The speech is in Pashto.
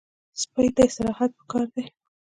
سپي ته استراحت پکار دی.